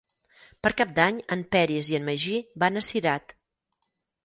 Per Cap d'Any en Peris i en Magí van a Cirat.